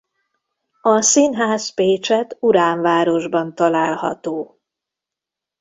A színház Pécsett Uránvárosban található.